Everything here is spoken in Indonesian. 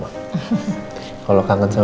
aku juga gak paham